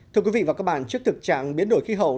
thưa quý vị và các bạn trước thực trạng biến đổi khí hậu